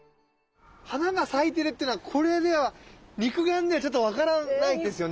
花が咲いてるっていうのはこれでは肉眼ではちょっと分からないですよね。